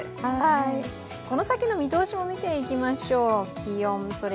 この先の見通しも見ていきましょう。